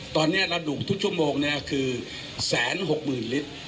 ตอนนี้เราดูดทุกชั่วโมงเนี่ยคือแสนหกหมื่นลิตร